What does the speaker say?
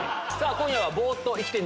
今夜は。